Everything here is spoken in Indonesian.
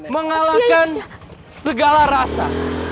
mengalahkan segala rasa